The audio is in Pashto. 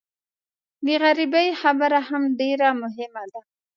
د غریبۍ خبره هم ډېره مهمه ده.